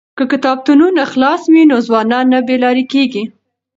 که کتابتونونه خلاص وي نو ځوانان نه بې لارې کیږي.